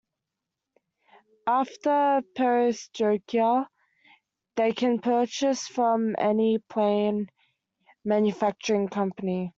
After Perestroika, they can purchase from any plane manufacturing company.